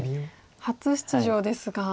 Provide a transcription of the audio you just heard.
初出場ですが。